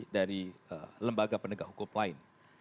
dari lembaga penegak hukum lain